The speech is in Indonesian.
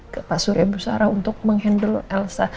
ke pak surya berusaha untuk menghandle elsa